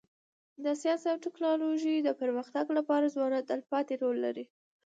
د ساینس او ټکنالوژۍ د پرمختګ لپاره ځوانان تلپاتی رول لري.